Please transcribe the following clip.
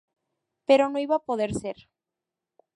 Pero no iba a poder ser.